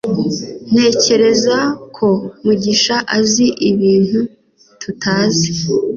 Ntekereza ko mugisha azi ibintu tutazi.